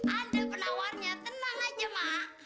ada penawarnya tenang aja mak